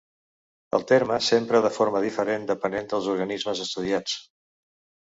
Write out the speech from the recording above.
El terme s'empra de forma diferent depenent dels organismes estudiats.